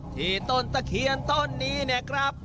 ต้นตะเคียนต้นนี้เนี่ยครับ